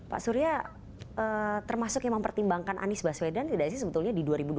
pak surya termasuk yang mempertimbangkan anies baswedan tidak sih sebetulnya di dua ribu dua puluh